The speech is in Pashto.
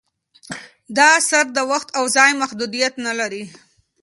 دا اثر د وخت او ځای محدودیت نه لري.